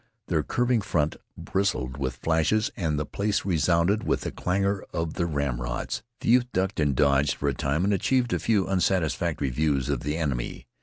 Their curving front bristled with flashes and the place resounded with the clangor of their ramrods. The youth ducked and dodged for a time and achieved a few unsatisfactory views of the enemy.